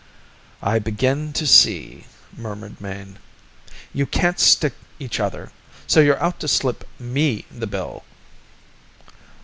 "I begin to see," murmured Mayne. "You can't stick each other, so you're out to slip me the bill."